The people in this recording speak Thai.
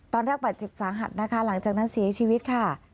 ตอนนั้นปัจจิปสาหัสนะคะหลังจากนั้นเสียชีวิตค่ะ